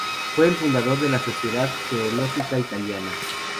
Fue el fundador de la Sociedad Geológica Italiana.